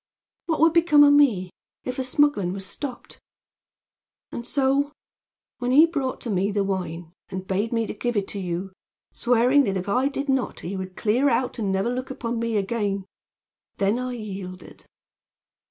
What would become of me, if the smuggling was stopped? And so, when he brought to me the wine, and bade me to give it to you, swearing that if I did not he would clear out and never look upon me again, then I yielded.